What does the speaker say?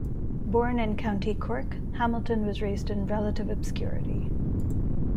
Born in County Cork, Hamilton was raised in relative obscurity.